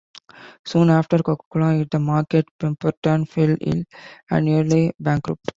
Soon after Coca-Cola hit the market, Pemberton fell ill and nearly bankrupt.